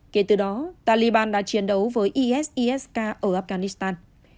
kể từ đó taliban đã chiến đấu với isis k ở afghanistan